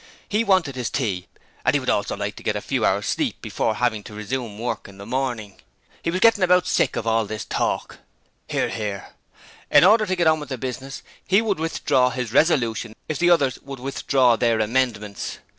He wanted his tea, and he would also like to get a few hours' sleep before having to resume work in the morning. He was getting about sick of all this talk. (Hear, hear.) In order to get on with the business, he would withdraw his resolution if the others would withdraw their amendments.